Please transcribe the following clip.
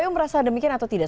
kpu merasa demikian atau tidak